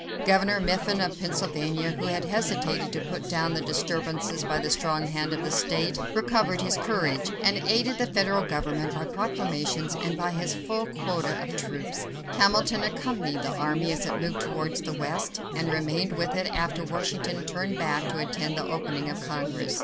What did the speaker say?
Governor Mifflin of Pennsylvania, who had hesitated to put down the disturbances by the strong hand of the state, recovered his courage, and aided the federal government by proclamations and by his full quota of troops. Hamilton accompanied the army as it moved towards the West, and remained with it after Washington turned back to attend the opening of Congress.